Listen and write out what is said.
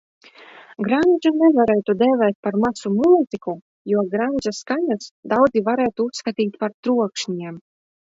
Grandžu nevarētu dēvēt par masu mūziku, jo grandža skaņas daudzi varētu uzskatīt par trokšņiem.